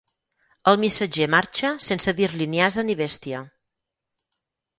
El missatger marxa sense dir-li ni ase ni bèstia.